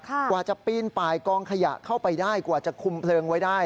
กว่าจะปีนป่ายกองขยะเข้าไปได้กว่าจะคุมเพลิงไว้ได้